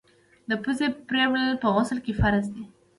د پزي پرېولل په غسل کي فرض دي.